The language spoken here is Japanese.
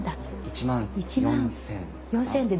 １万４，０００かな。